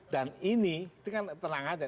dan ini itu kan tenang aja